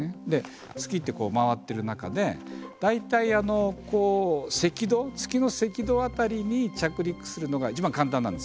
月ってこう回ってる中で大体赤道月の赤道辺りに着陸するのが一番簡単なんですよ